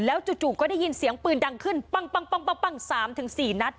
แล้วจุดก็ได้ยินเสียงปืนดังขึ้น